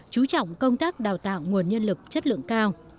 chú trọng công tác đào tạo nguồn nhân lực chất lượng cao